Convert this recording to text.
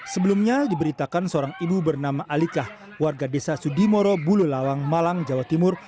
sebelumnya diberitakan seorang ibu bernama alika warga desa sudimoro bulelawang malang jawa timur